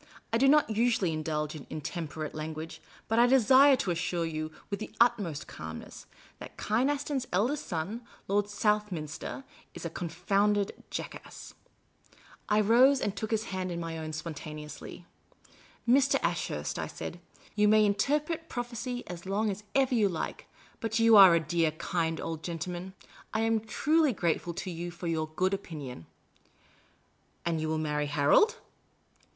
I do not usually indulge in intemperate language ; but I desire to assure you, with the utmost calm ness, that Kynaston's eldest son, Lord Southniinster, is a con founded jackass." I rose and took his hand in my own spontaneously. " Mr. Ashurst," I said, " you may interpret prophecy as long as ever you like, but you are a dear, kind old gentleman. I am truly grateful to you for your good opinion." " And you will marry Harold